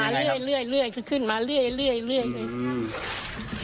มันมาเรื่อยเรื่อยเรื่อยคือขึ้นมาเรื่อยเรื่อยเรื่อย